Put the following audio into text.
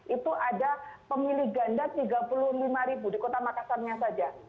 itu ada pemilih ganda tiga puluh lima ribu di kota makassarnya saja